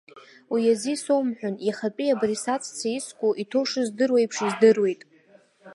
Уиазы исоумҳәан, иахатәи абри саҵәца иску иҭоу шыздыруа еиԥш издыруеит.